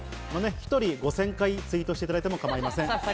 １人５０００回ツイートしていただいても構いません。